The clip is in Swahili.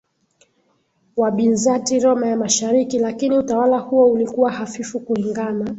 wa Bizanti Roma ya mashariki Lakini utawala huo ulikuwa hafifu kulingana